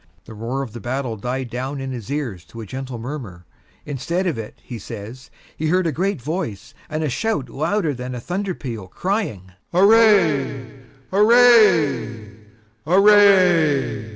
The roar of the battle died down in his ears to a gentle murmur; instead of it, he says, he heard a great voice and a shout louder than a thunder peal crying, "Array, array, array!"